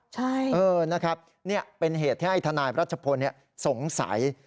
ใช่นะครับเป็นเหตุที่ให้ธนายรัชพลสงสัย